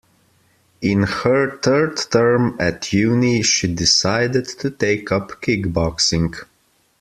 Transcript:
In her third term at uni she decided to take up kickboxing